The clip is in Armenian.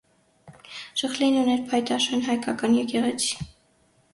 Շըխլին ուներ փայտաշեն հայկական եկեղեցի։